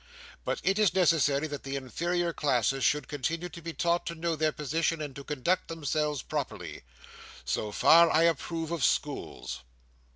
But it is necessary that the inferior classes should continue to be taught to know their position, and to conduct themselves properly. So far I approve of schools.